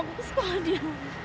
biarin aku ke sekolah dia